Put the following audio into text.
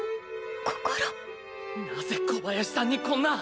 なぜ小林さんにこんな。